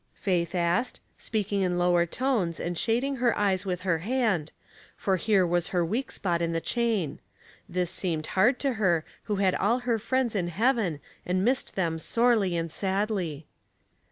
Faith asked, speaking in lower tones and shading her eyes with her hand, for here was her weak spot in the chain ; this seemed hard to her who had all her friends in heaven and missed them sorely and sadly.